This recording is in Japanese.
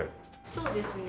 そうですね。